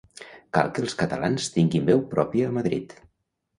Cal que els catalans tinguin veu pròpia a Madrid.